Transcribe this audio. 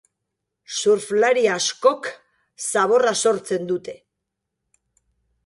Surflari askok zaborra sortzen dute.